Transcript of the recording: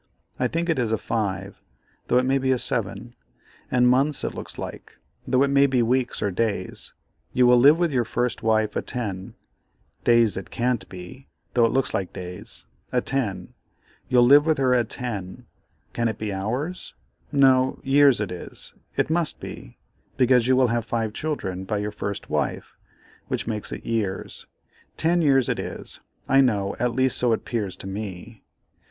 I think it is a 5, though it may be a 7; and months it looks like, though it may be weeks or days. You will live with your first wife a 10; days it can't be, though it looks like days—a 10, you'll live with her a 10, can it be hours, no, years it is, it must be, because you will have five children by your first wife, which makes it years—10 years it is, I know, at least so it 'pears to me.